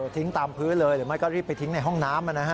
ทิ้งตามพื้นเลยหรือไม่ก็รีบไปทิ้งในห้องน้ำ